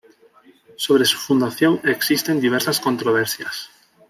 Sobre su fundación existen diversas controversias.